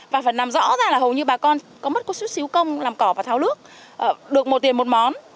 và phần nằm rõ ra là hầu như bà con có mất một xíu xíu công làm cỏ và tháo nước được một tiền một món